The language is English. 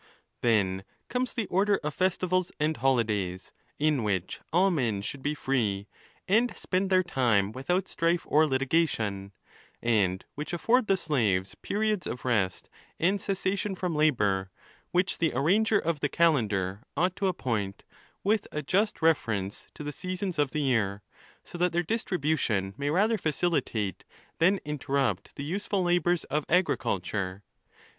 t RP XII. Then comes the order of Festivals and Holidays, in which all men should be free, and spend their time without strife or litigation, and which afford the slaves periods of rest and cessation from labour, which the arranger of the calendar ought to appoint, with a just reference to the seasons of the year, so that their distribution may rather facilitate than in terrupt the useful labours of agriculture.